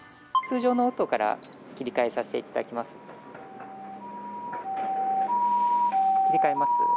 通常の音から切り替えさせていただきます。